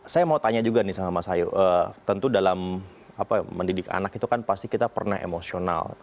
saya mau tanya juga nih sama mas ayu tentu dalam mendidik anak itu kan pasti kita pernah emosional